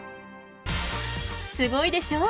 すごいでしょ？